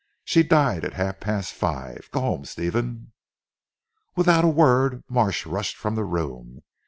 She died at half past five. Go home Stephen." Without a word Marsh rushed from the room.